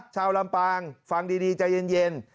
ชาวลำปางฟังดีใจเย็น